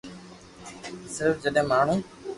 صرف جڏهن ماڻهو